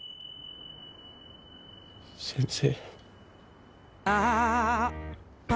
先生。